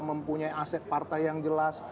mempunyai aset partai yang jelas